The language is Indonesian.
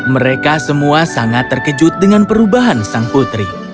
mereka semua sangat terkejut dengan perubahan sang putri